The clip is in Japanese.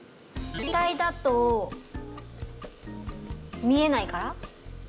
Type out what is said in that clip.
気体だと見えないから？